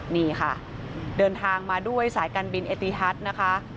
นี่ค่ะเดินทางมาด้วยสายการบินเอติฮัทนะคะ